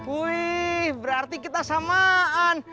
wih berarti kita samaan